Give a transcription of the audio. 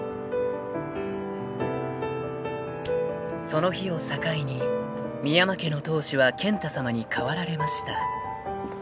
［その日を境に深山家の当主は健太さまに代わられました］